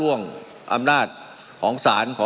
มันมีมาต่อเนื่องมีเหตุการณ์ที่ไม่เคยเกิดขึ้น